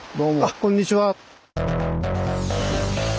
こんにちは。